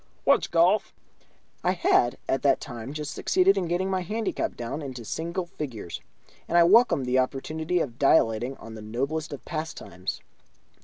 "What's golf?" I had at that time just succeeded in getting my handicap down into single figures, and I welcomed the opportunity of dilating on the noblest of pastimes.